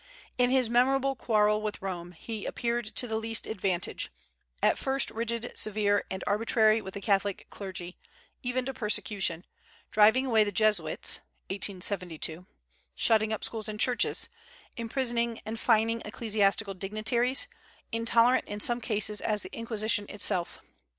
In his memorable quarrel with Rome he appeared to the least advantage, at first rigid, severe, and arbitrary with the Catholic clergy, even to persecution, driving away the Jesuits (1872), shutting up schools and churches, imprisoning and fining ecclesiastical dignitaries, intolerant in some cases as the Inquisition itself.